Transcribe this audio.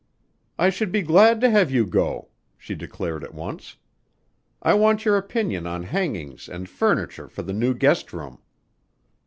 "I should be glad to have you go," she declared at once. "I want your opinion on hangings and furniture for the new guest room."